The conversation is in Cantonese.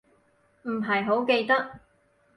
唔係好記得